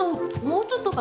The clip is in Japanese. もうちょっと？